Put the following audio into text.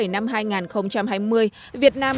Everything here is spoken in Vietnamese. năm hai nghìn hai mươi việt nam